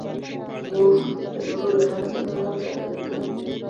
موږ د نورو له حق څخه هم ساتنه کوو.